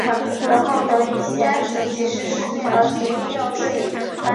芒特吉利阿德也是莫罗县医院的所在地。